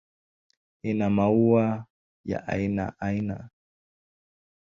Ina maua ya aina aina.